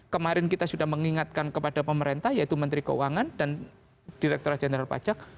kemarin kita sudah mengingatkan kepada pemerintah yaitu menteri keuangan dan direktur jenderal pajak